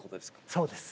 そうです。